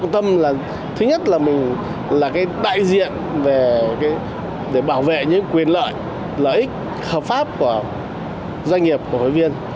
tâm là thứ nhất là mình là cái đại diện để bảo vệ những quyền lợi lợi ích hợp pháp của doanh nghiệp của hội viên